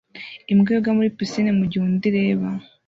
Imbwa yoga muri pisine mugihe undi ireba